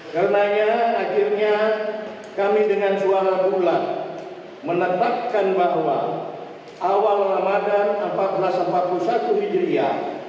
karenanya akhirnya kami dengan suara bulan menetapkan bahwa awal ramadan seribu empat ratus empat puluh satu hijriah